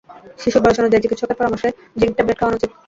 শিশুর বয়স অনুযায়ী চিকিৎসকের পরামর্শে জিংক ট্যাবলেট খাওয়ানো উচিত।